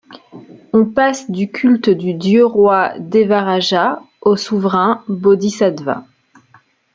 On passe du culte du dieu-roi devarāja au souverain bodhisattva.